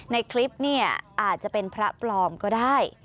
ในคลิปเนี่ยอาจจะเป็นพระปลอมก็ได้